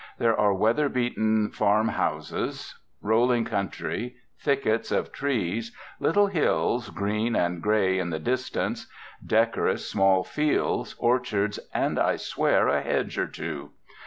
There are weather beaten farm houses, rolling country, thickets of trees, little hills green and grey in the distance, decorous small fields, orchards, and, I swear, a hedge or two.